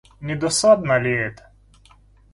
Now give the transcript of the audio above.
Не досадно ли это?